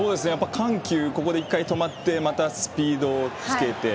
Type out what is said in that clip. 緩急、１回止まってまたスピードをつけて。